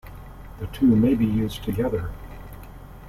The two may be used together.